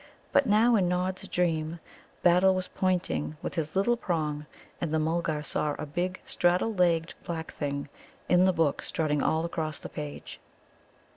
But now in Nod's dream Battle was pointing with his little prong, and the Mulgar saw a big straddle legged black thing in the book strutting all across the page.